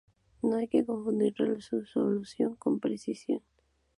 No hay que confundir resolución con precisión.